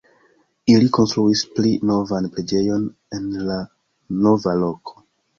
Ili konstruis pli novan preĝejon en la nova loko.